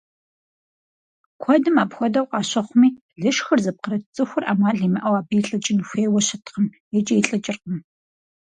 Куэдым апхуэдэу къащыхъуми, лышхыр зыпкърыт цӀыхур Ӏэмал имыӀэу абы илӀыкӀын хуейуэ щыткъым икӀи илӀыкӀыркъым.